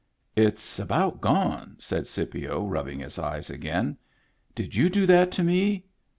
" It's about gone," said Scipio, rubbing his eyes again. " Did you do that to me